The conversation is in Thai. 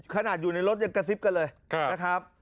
ขนาดอยู่ในรถยังกระซิบกันเลยนะครับ